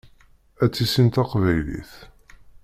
Ad tissin taqbaylit.